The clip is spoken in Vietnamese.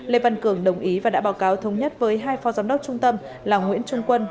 lê văn cường đồng ý và đã báo cáo thống nhất với hai phó giám đốc trung tâm là nguyễn trung quân